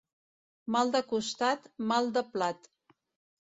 Mal de costat, mal de plat.